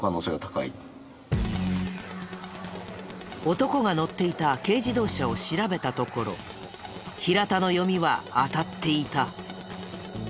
男が乗っていた軽自動車を調べたところ平田の読みは当たっていた。